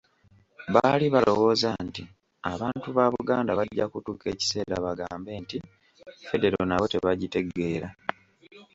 Baali balowooza nti abantu ba Buganda bajja kutuuka ekiseera bagambe nti Federo nabo tebagitegeera.